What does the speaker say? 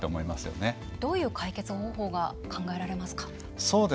どういう解決方法が考えられますか？